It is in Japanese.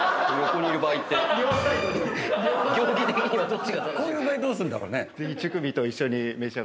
こういう場合どうすんだろうね。